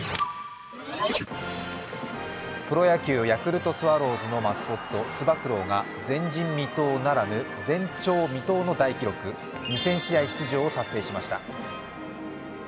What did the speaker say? プロ野球・ヤクルトスワローズのマスコット、つば九郎が前人未到ならぬ前鳥未到の大記録、２０００試合出場を達成しました。